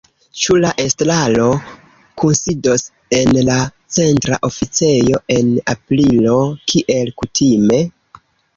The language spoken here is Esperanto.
Ĉu la estraro kunsidos en la Centra Oficejo en aprilo, kiel kutime?